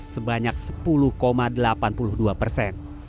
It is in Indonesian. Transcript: sebanyak sepuluh delapan puluh dua persen